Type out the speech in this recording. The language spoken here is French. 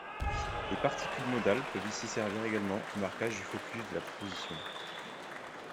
Les particules modales peuvent ici servir également au marquage du focus de la proposition.